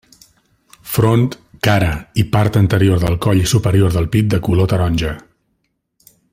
Front, cara i part anterior del coll i superior del pit de color taronja.